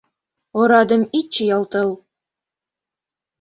— Орадым ит чиялтыл!